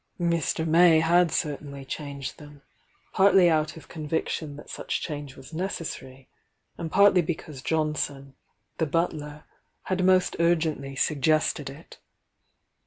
Mr. May had certainly changed them,— partly out of conviction that such change was necessary, and partly because Jonson, the butler, had most urgently suggested it.